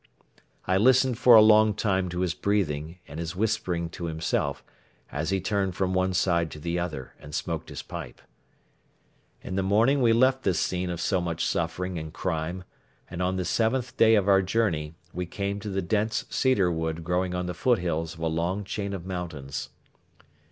I listened for a long time to his breathing and his whispering to himself, as he turned from one side to the other and smoked his pipe. In the morning we left this scene of so much suffering and crime and on the seventh day of our journey we came to the dense cedar wood growing on the foothills of a long chain of mountains.